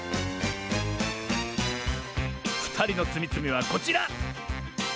ふたりのつみつみはこちら！